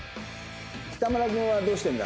北村君はどうしてんだ？